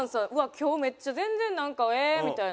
今日めっちゃ全然なんか「え」みたいな。